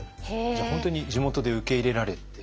じゃあ本当に地元で受け入れられて。